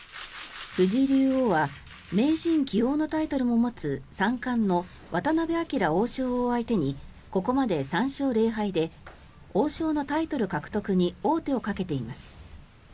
藤井竜王は名人、棋王のタイトルも持つ三冠の渡辺明王将を相手にここまで３勝０敗で王将のタイトル獲得に王手をかけています。